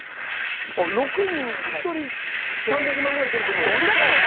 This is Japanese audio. ６人で３００万ぐらい取るの？